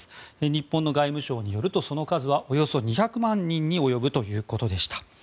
日本の外務省によるとその数はおよそ２００万人に及ぶということでした。